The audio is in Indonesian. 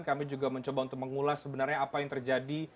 kami juga mencoba untuk mengulas sebenarnya apa yang terjadi